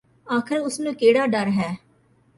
ਆਖਿਰ ਉਸ ਨੂੰ ਕਿਹੜਾ ਡਰ ਹੈ